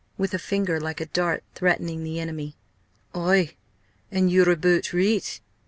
with a finger like a dart, threatening the enemy "Aye; an' yo're aboot reet!